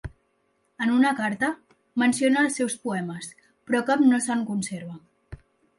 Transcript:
En una carta, menciona els seus poemes, però cap no se'n conserva.